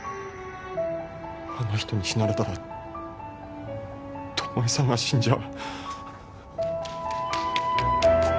あの人に死なれたら巴さんが死んじゃう。